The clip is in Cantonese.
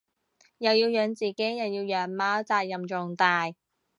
又要養自己又要養貓責任重大